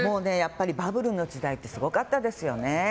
バブルの時代ってすごかったですよね。